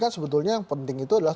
sebetulnya yang penting itu adalah